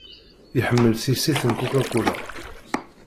Iḥemmel tissit n Coca-Cola.